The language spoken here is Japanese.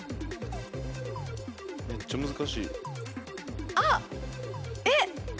めっちゃ難しい。